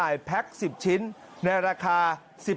อยากได้